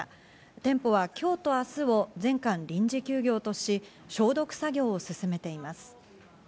店舗は今日と明日を全館臨時休業とし、消毒作業を進めています。